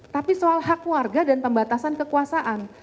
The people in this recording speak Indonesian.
tapi soal hak warga dan pembatasan kekuasaan